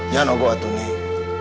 jangan ogo atuh neng